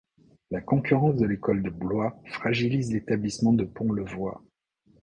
La concurrence de l’école de Blois fragilise l’établissement de Pontlevoy.